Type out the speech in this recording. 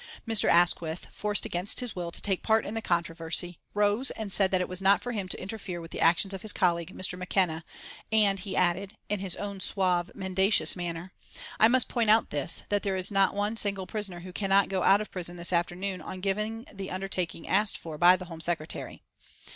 Mr. Asquith, forced against his will to take part in the controversy, rose and said that it was not for him to interfere with the actions of his colleague, Mr. McKenna, and he added, in his own suave, mendacious manner: "I must point out this, that there is not one single prisoner who cannot go out of prison this afternoon on giving the undertaking asked for by the Home Secretary."